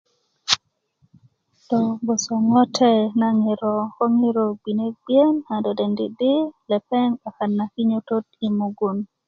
do gboso ŋote na ŋiro ko ŋiro gbine gbiyen a do dendi' di lepeŋ 'bakan na kinyotot yi mugun